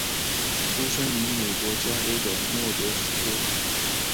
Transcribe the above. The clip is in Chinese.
出生于美国加州的莫德斯托。